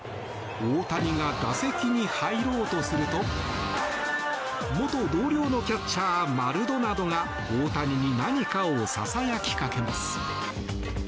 大谷が打席に入ろうとすると元同僚のキャッチャーマルドナドが大谷に何かをささやきかけます。